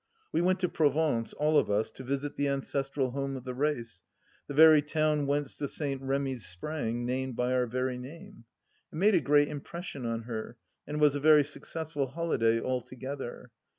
We went to Provence, all of us, to visit the ancestral home of the race — the very town whence the St. Remys sprang, named by our very name. It made a great impression on her, and was a very successful holiday alto gether.